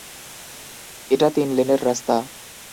এটা তিন লেনের রাস্তা।